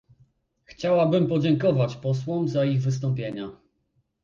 Chciałabym podziękować posłom za ich wystąpienia